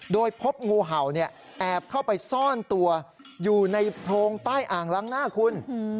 โดยพบงูเห่าแอบเข้าไปซ่อนตัวอยู่ในโพรงใต้อ่างล้างหน้าคุณ